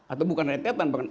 atau bukan rentetan